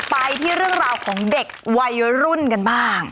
ไปที่เรื่องราวของเด็กวัยรุ่นกันบ้าง